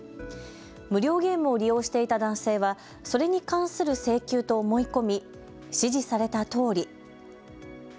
無料ゲームを利用していた男性はそれに関する請求と思い込み指示されたとおり。